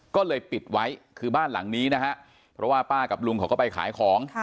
ก็เลยปิดไว้คือบ้านหลังนี้นะฮะเพราะว่าป้ากับลุงเขาก็ไปขายของ